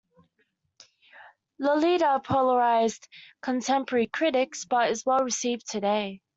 "Lolita" polarized contemporary critics, but is well-received today.